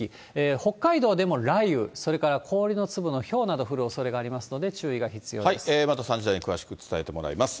北海道でも雷雨、それから氷の粒のひょうなど降るおそれがありますので、注意が必また３時台に詳しく伝えてもらいます。